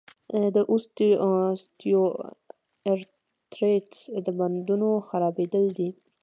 د اوسټیوارتریتس د بندونو خرابېدل دي.